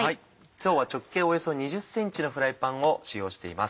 今日は直径およそ２０ｃｍのフライパンを使用しています。